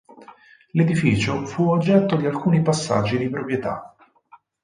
L'edificio fu oggetto di alcuni passaggi di proprietà.